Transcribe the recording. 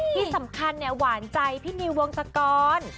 ที่สำคัญเนี่ยหวานใจพี่นิววงศกร